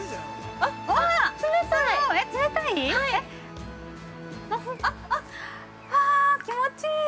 あ、気持ちいい。